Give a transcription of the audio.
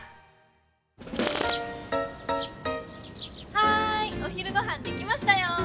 はいお昼ごはんできましたよ！